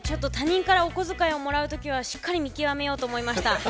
他人からお小遣いをもらう時はしっかり見極めようと思いました。